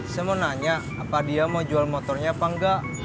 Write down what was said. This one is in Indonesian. saya mau nanya apa dia mau jual motornya apa enggak